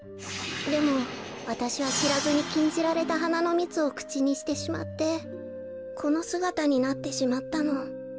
でもわたしはしらずにきんじられたはなのみつをくちにしてしまってこのすがたになってしまったの。